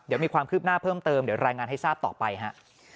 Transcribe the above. เดี๋ยวมีความคืบหน้าเพิ่มเติมเดี๋ยวรายงานให้ทราบต่อไปฮะ